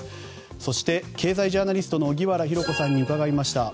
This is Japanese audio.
そして、経済ジャーナリストの荻原博子さんに伺いました。